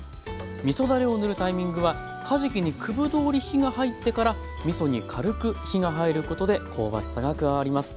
みそだれを塗るタイミングはかじきに九分どおり火が入ってからみそに軽く火が入ることで香ばしさが加わります。